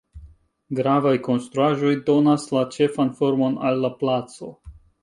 Gravaj konstruaĵoj donas la ĉefan formon al la placo.